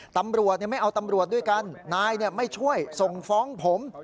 ตำรวจไม่เอาตำรวจด้วยกันนายไม่ช่วยส่งฟ้องผม